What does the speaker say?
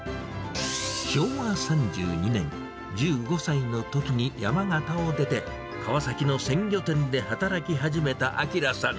昭和３２年、１５歳のときに山形を出て、川崎の鮮魚店で働き始めた明さん。